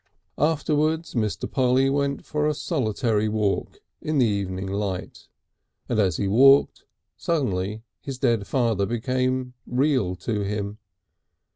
Afterwards Mr. Polly went for a solitary walk in the evening light, and as he walked, suddenly his dead father became real to him.